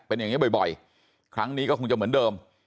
เป็นอย่างนี้บ่อยครั้งนี้ก็คงจะเหมือนเดิม